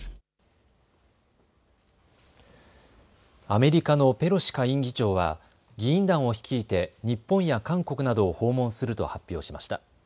アメリカのペロシ下院議長は議員団を率いて日本や韓国などを訪問すると発表しました。